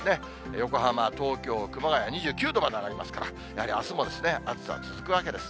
横浜、東京、熊谷、２９度まで上がりますから、やはりあすも暑さは続くわけです。